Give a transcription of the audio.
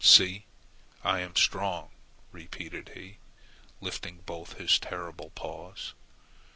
See! I am strong!" repeated he, lifting both his terrible paws.